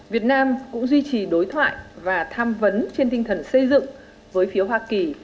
việt nam cũng duy trì đối thoại và tham vấn trên tinh thần xây dựng với phiếu hoa kỳ